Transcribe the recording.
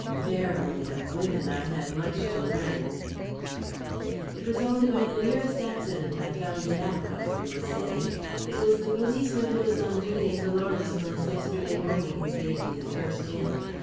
Verily, of women I had much to learn! "It was only by the merest accident I found it out," Godfrey was saying. "It was the policeman who was on duty at the Lawrence place yesterday morning who gave me the first hint.